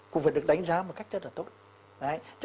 cũng phải được đánh giá một cách rất là tốt